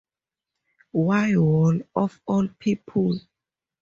Why Wall, of all people?